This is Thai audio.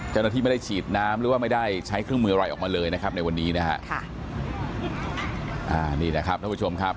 เจ้าหน้าที่ไม่ได้ฉีดน้ำหรือว่าไม่ได้ใช้เครื่องมืออะไรออกมาเลยนะครับในวันนี้นะฮะค่ะอ่านี่แหละครับท่านผู้ชมครับ